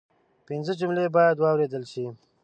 پنځه جملې باید واوریدل شي